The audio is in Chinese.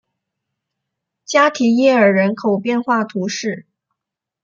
加提耶尔人口变化图示